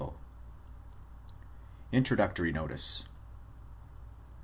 INTRODUCTORY NOTICE.